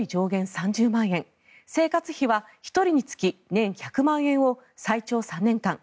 ３０万円生活費は１人につき年１００万円を最長３年間。